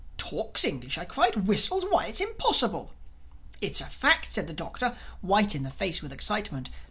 "Talks English!" I cried—"Whistles!—Why, it's impossible." "It's a fact," said the Doctor, white in the face with excitement.